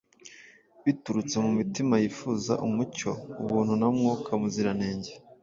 biturutse mu mitima yifuza umucyo, ubuntu na Mwuka Muziranenge.